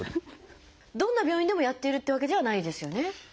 どんな病院でもやっているってわけじゃないですよね？